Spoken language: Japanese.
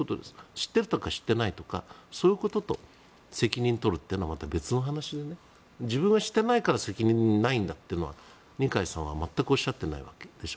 知ってるとか知ってないとかそういうことと責任を取るのは別の話で自分は知っていないから責任はないんだというのは二階さんは全くおっしゃっていないわけでしょ。